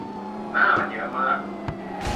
หน้ามันเยิ้มมาก